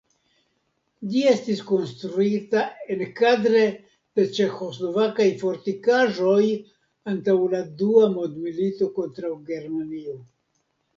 Ĝi estis konstruita enkadre de ĉeĥoslovakaj fortikaĵoj antaŭ la dua mondmilito kontraŭ Germanio.